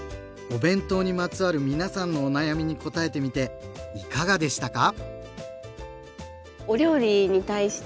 お弁当にまつわる皆さんのお悩みにこたえてみていかがでしたか？